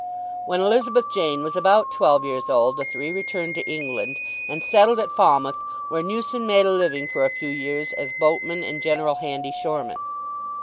When Elizabeth Jane was about twelve years old the three returned to England, and settled at Falmouth, where Newson made a living for a few years as boatman and general handy shoreman.